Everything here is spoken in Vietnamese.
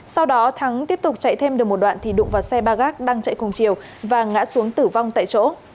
sau đó thắng tiếp tục chạy thêm được một đoạn thì đụng vào xe ba gác đang chạy cùng chiều và ngã xuống tử vong tại chỗ